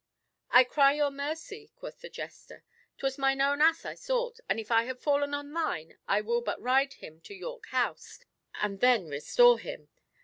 "I cry you mercy," quoth the jester; "'twas mine own ass I sought, and if I have fallen on thine, I will but ride him to York House and then restore him.